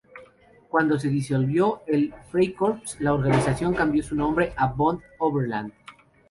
Cuando se disolvió el Freikorps, la organización cambió su nombre a "Bund Oberland".